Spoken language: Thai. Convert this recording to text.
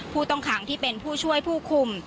ผู้ต้องขังที่เป็นผู้ช่วยผู้คุม